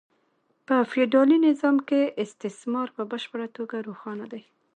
په فیوډالي نظام کې استثمار په بشپړه توګه روښانه دی